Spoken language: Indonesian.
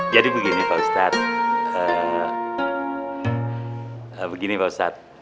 jadi begini pak ustadz